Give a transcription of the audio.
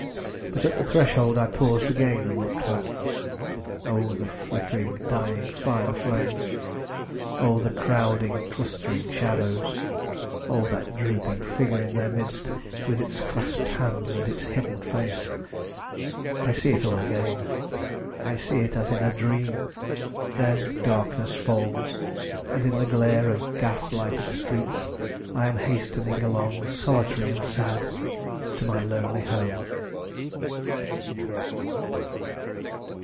But at the threshold I paused again, and looked back. Oh, the flickering, dying fire flame! Oh, the crowding, clustering shadows! Oh, that drooping figure in their midst, with its clasped hands and its hidden face! I see it all again; I see it as in a dream; then darkness falls, and in the glare of gas lighted streets, I am hastening along, solitary and sad, to my lonely home.